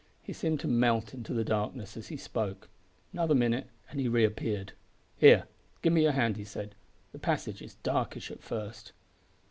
He seemed to melt into the darkness as he spoke. Another minute and he re appeared. "Here, give me your hand," he said; "the passage is darkish at first."